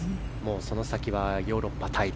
その先はヨーロッパ大陸。